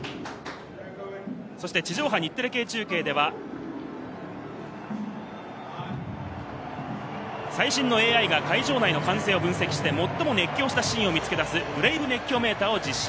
地上波、日テレ系中継では最新のＡＩが会場内の歓声を分析して、最も熱狂したシーンを見つけ出す、ＢＲＡＶＥ熱狂メーターを実施。